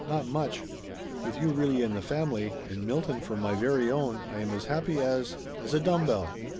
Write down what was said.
"Not much ! With you really in the family, and Milton for my very own I am as happy as as a dumb bell!"